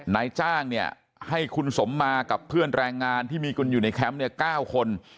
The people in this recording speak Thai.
นายจ้างเนี่ยให้คุณสมมากับเพื่อนแรงงานที่มีคุณอยู่ในแคมป์เนี่ย๙คน